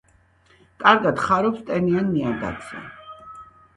კარგად ხარობს ტენიან ნიადაგზე.